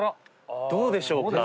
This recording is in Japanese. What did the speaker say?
どうでしょうか？